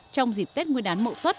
trong dịp tết nguyên đán mậu tuất